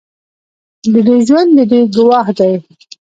د دوی ژوند د دوی ګواه دی.